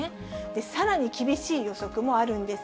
さらに、厳しい予測もあるんです。